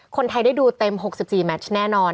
คนไทยได้ดูเต็ม๖๔แมชแน่นอน